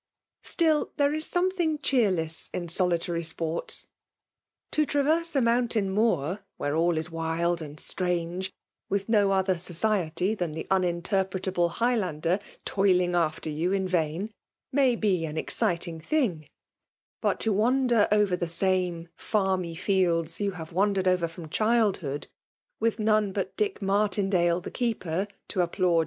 Still, there is something cheerless in soli tary sports. To traverse a mountain mo«r where all is wild and strange, wilh no other society than the uninterj^netafale HigUmdla toiling after you in vain, may be an excitiiig thing ; but to wander over the same " fatrmy fieldar you have wandered over, from* child hood, with none but Dick Majrtindale the keeper to applaud.